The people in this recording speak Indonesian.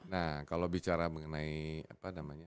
nah kalau bicara mengenai apa namanya